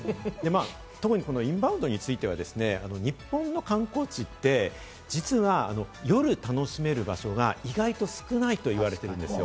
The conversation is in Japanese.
特にインバウンドについては、日本の観光地って、実は夜、楽しめる場所が意外と少ないと言われてるんですよ。